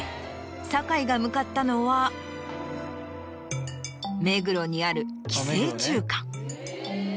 堺が向かったのは目黒にある寄生虫館。